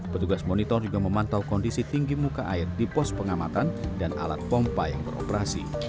petugas monitor juga memantau kondisi tinggi muka air di pos pengamatan dan alat pompa yang beroperasi